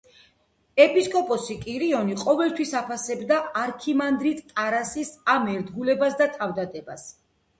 ეპისკოპოსი კირიონი ყოველთვის აფასებდა არქიმანდრიტ ტარასის ამ ერთგულებასა და თავდადებას.